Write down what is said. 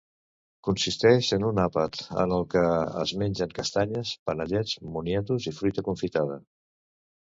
Consisteix en un àpat en què es mengen castanyes, panellets, moniatos i fruita confitada.